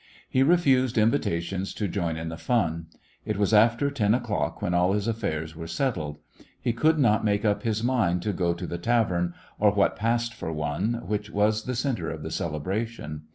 He refused invita tions to join in the fun. It was after ten o'clock when all his affairs were settled. He could not make up his A Christmas When mind to go to the tavern, or what passed for one, which was the center of the celebration.